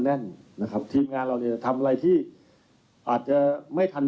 แน่นนะครับทีมงานเราเนี่ยทำอะไรที่อาจจะไม่ทัน